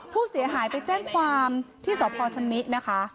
ผู้เสียหายไปแจ้งความที่สพชำนินะคะ